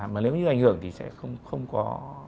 mà nếu như ảnh hưởng thì sẽ không có